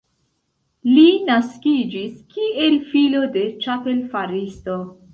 Li naskiĝis kiel filo de ĉapel-faristo.